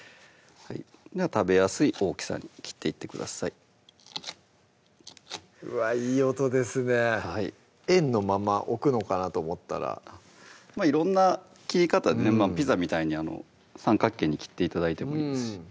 食べやすい大きさに切っていってくださいうわいい音ですね円のまま置くのかなと思ったら色んな切り方でピザみたいに三角形に切って頂いてもいいです